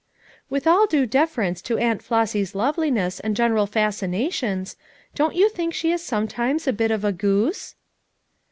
"With all due deference to Aunt Flossy 's loveliness and general fascinations, don't you think she is sometimes a bit of a goose?"